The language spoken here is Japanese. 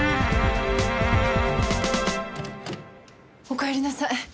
おかえりなさい。